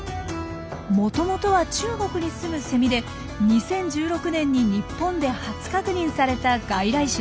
もともとは中国に住むセミで２０１６年に日本で初確認された外来種です。